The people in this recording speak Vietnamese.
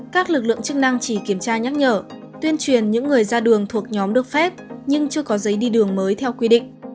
các lực lượng chức năng chỉ kiểm tra nhắc nhở tuyên truyền những người ra đường thuộc nhóm được phép nhưng chưa có giấy đi đường mới theo quy định